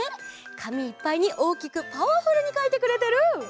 かみいっぱいにおおきくパワフルにかいてくれてる！